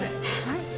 はい